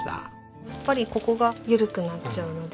やっぱりここが緩くなっちゃうので。